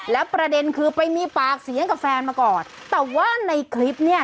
แล้วประเด็นคือไปมีปากเสียงกับแฟนมาก่อนแต่ว่าในคลิปเนี่ย